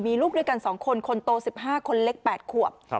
มีลูกด้วยกัน๒คนคนโต๑๕คนเล็ก๘ขวบ